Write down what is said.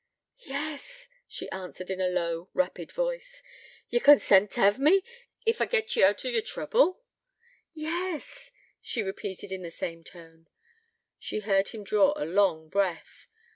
'Yes,' she answered, in a low, rapid voice. 'Ye'll consent t' hev me, ef I git ye oot o' yer trouble?' 'Yes,' she repeated, in the same tone. She heard him draw a long breath.